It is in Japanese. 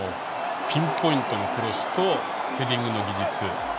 ピンポイントのクロスとヘディングの技術。